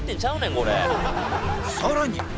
さらに